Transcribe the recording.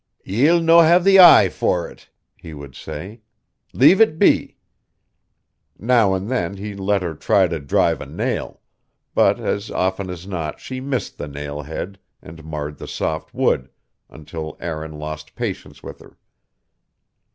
"Ye'll no have the eye for it," he would say. "Leave it be." Now and then he let her try to drive a nail; but as often as not she missed the nail head and marred the soft wood, until Aaron lost patience with her.